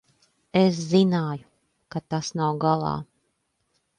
Es zināju, ka tas nav galā.